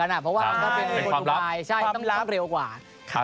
เพราะว่ั่นก็เป็นคนดูปล่ายใช่แค่ต้องเร็วกว่าความลับ